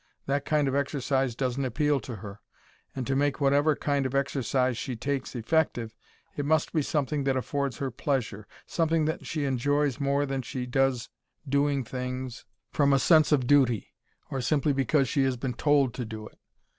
That kind of exercise doesn't appeal to her, and to make whatever kind of exercise she takes effective it must be something that affords her pleasure something that she enjoys more than she does doing things from a "sense of duty," or simply because she has been told to do it.